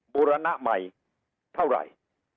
บูรณะใหม่เท่าไหร่